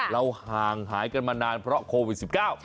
เราห่างหายกันมานานเพราะโควิด๑๙